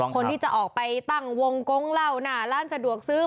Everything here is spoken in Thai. คนที่จะออกไปตั้งวงกงเหล้าหน้าร้านสะดวกซื้อ